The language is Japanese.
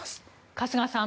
春日さん